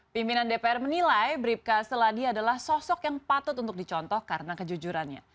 pimpinan dpr menilai bribka seladi adalah sosok yang patut untuk dicontoh karena kejujurannya